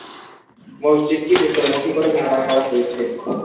মসজিদটি উত্তরমুখী করে নির্মাণ করা হয়েছে।